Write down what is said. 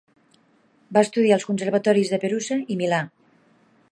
Va estudiar als conservatoris de Perusa i Milà.